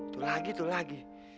tuh lagi tuh lagi